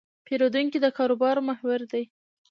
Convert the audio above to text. پیرودونکی د کاروبار محور دی.